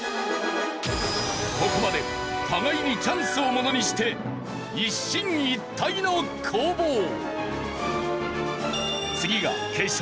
ここまで互いにチャンスをものにして一進一退の攻防。